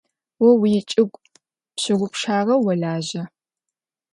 О уичӏыгу пщыгъупшагъэу олажьэ.